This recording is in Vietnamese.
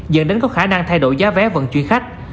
dẫn đến có khả năng thay đổi giá vé vận chuyển khách